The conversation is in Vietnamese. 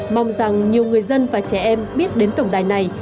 mong rằng nhiều người dân và trẻ em biết đến tổng đài này